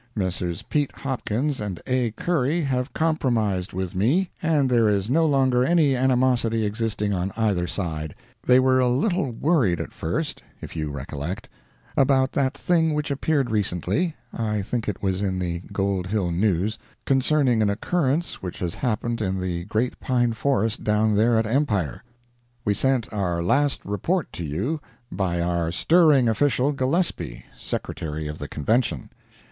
Messrs. Pete Hopkins and A. Curry have compromised with me, and there is no longer any animosity existing on either side. They were a little worried at first, you recollect, about that thing which appeared recently (I think it was in the Gold Hill News), concerning an occurrence which has happened in the great pine forest down there at Empire. We sent our last report to you by our stirring official, Gillespie, Secretary of the Convention.